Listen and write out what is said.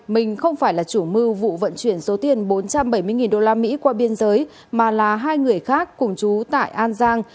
mình không phải là chủ mưu vụ vận chuyển số tiền bốn trăm bảy mươi usd qua biên giới mà là hai người khác cùng chú tại an giang